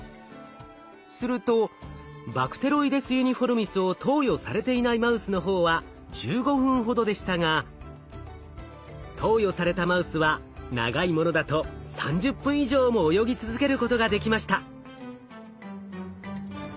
するとバクテロイデス・ユニフォルミスを投与されていないマウスの方は１５分ほどでしたが投与されたマウスは長いものだと３０分以上も泳ぎ続けることができました。